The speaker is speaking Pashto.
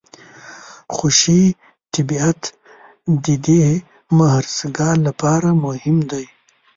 خوشي طبیعت د دې مهرسګال لپاره مهم دی.